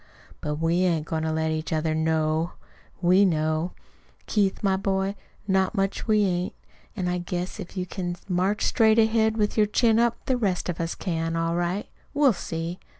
But we ain't goin' to let each other KNOW we know, Keith, my boy. Not much we ain't! An' I guess if you can march straight ahead with your chin up, the rest of us can, all right. We'll see!"